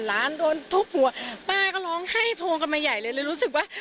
ร้านโดนทุบหัวป้าก็ร้องไห้โทรกันมาใหญ่เลยเลยรู้สึกว่า